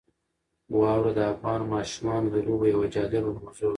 واوره د افغان ماشومانو د لوبو یوه جالبه موضوع ده.